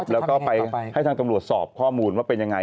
แล้วก็ไปให้ทางตำรวจสอบข้อมูลว่าเป็นยังไง